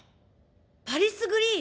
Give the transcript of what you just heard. パリスグリーン。